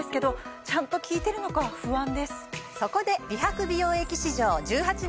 そこで。